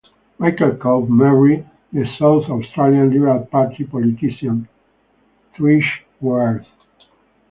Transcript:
Michael Cobb married the South Australian Liberal Party politician, Trish Worth.